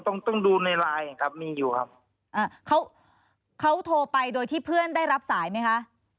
ต้องต้องดูในไลน์ครับมีอยู่ครับอ่าเขาเขาโทรไปโดยที่เพื่อนได้รับสายไหมคะ